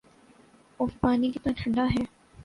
if پانی کتنا ٹھنڈا ہے